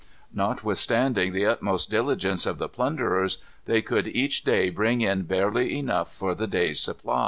Notwithstanding the utmost diligence of the plunderers, they could each day bring in barely enough for the day's supply.